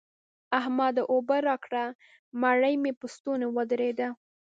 احمده! اوبه راکړه؛ مړۍ مې په ستونې ودرېده.